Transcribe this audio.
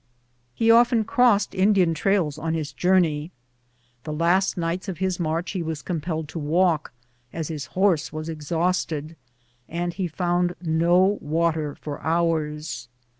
He often crossed Indi an trails on his journey. The last nights of his march he was compelled to walk, as his horse was exhausted, and he found no water for hours.